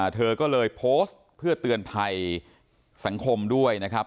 เธอก็เลยโพสต์เพื่อเตือนภัยสังคมด้วยนะครับ